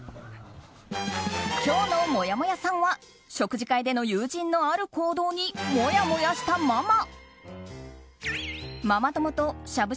今日のもやもやさんは食事会での友人のある行動にもやもやしたママ。